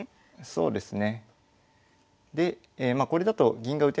そうですね。